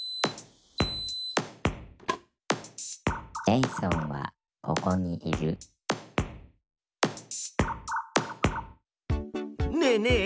ジェイソンはココにいるねえねえ